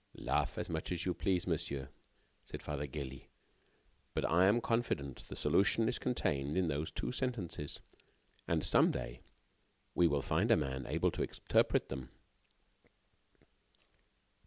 "Laugh as much as you please, monsieur," said Father Gélis, "but I am confident the solution is contained in those two sentences, and some day we will find a man able to interpret them."